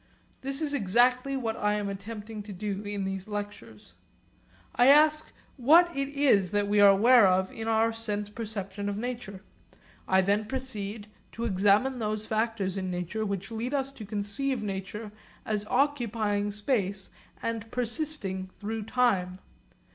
This is exactly what I am endeavouring to do in these lectures. I ask what it is that we are aware of in our sense perception of nature. I then proceed to examine those factors in nature which lead us to conceive nature as occupying space and persisting through time.